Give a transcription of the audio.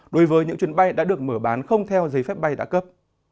đối với những chuyến bay đã được mở bán không theo giấy phép bay đã cấp